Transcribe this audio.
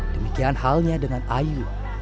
demikian halnya dengan ayu